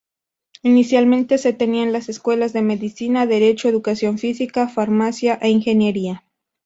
Inicialmente se tenían las escuelas de Medicina, Derecho, Educación Física, Farmacia e Ingeniería.